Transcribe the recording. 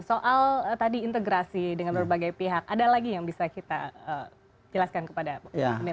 soal tadi integrasi dengan berbagai pihak ada lagi yang bisa kita jelaskan kepada publik